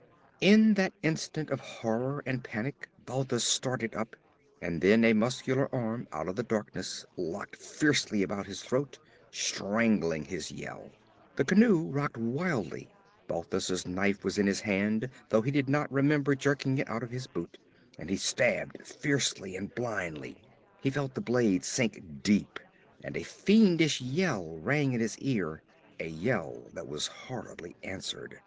In that instant of horror and panic Balthus started up and then a muscular arm out of the darkness locked fiercely about his throat, strangling his yell. The canoe rocked wildly. Balthus' knife was in his hand, though he did not remember jerking it out of his boot, and he stabbed fiercely and blindly. He felt the blade sink deep, and a fiendish yell rang in his ear, a yell that was horribly answered.